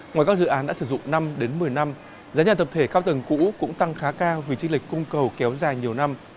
ngoài các dự án đã sử dụng năm một mươi năm giá nhà tập thể cao tầng cũ cũng tăng khá cao vì trích lệch cung cầu kéo dài nhiều năm